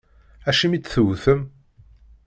Acimi i tt-tewwtem?